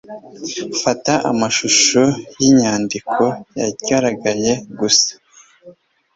Fata amashusho yinyandiko yagaragaye gusa